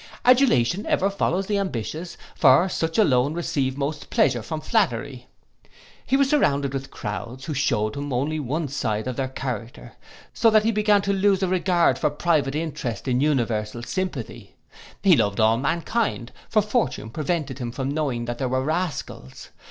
Adulation ever follows the ambitious; for such alone receive most pleasure from flattery. He was surrounded with crowds, who shewed him only one side of their character; so that he began to lose a regard for private interest in universal sympathy. He loved all mankind; for fortune prevented him from knowing that there were rascals.